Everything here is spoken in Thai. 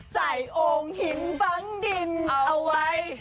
โอ่งหินฝังดินเอาไว้